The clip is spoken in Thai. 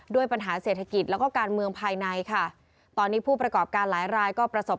ด้วยปัญหาเศรษฐกิจแล้วก็การเมืองภายในค่ะตอนนี้ผู้ประกอบการหลายรายก็ประสบ